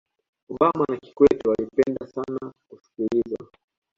obama na kikwete walipenda sana kusikilizwa